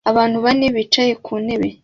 Abantu bane bicaye ku ntebe